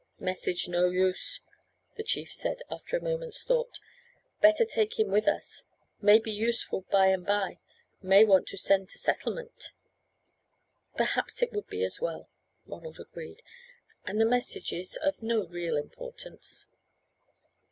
"Message no use," the chief said, after a moment's thought; "better take him with us, may be useful by and by; may want to send to settlement." "Perhaps it would be as well," Ronald agreed; "and the message is of no real importance."